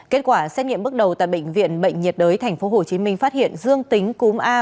kết quả xét nghiệm bước đầu tại bệnh viện bệnh nhiệt đới tp hcm phát hiện dương tính cúm a